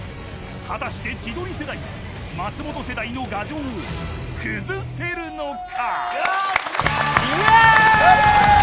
果たして千鳥世代松本世代の牙城を崩せるのか。